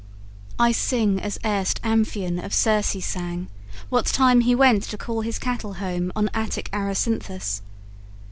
I sing as erst Amphion of Circe sang, What time he went to call his cattle home On Attic Aracynthus.